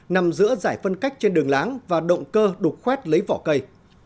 nằm giữa giải phân cách trên đường láng và động cơ đục khoét lấy vỏ cây